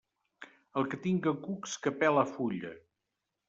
El que tinga cucs que pele fulla.